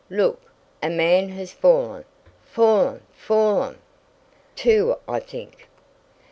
"Look! A man has fallen! Fallen, fallen!" "Two, I think."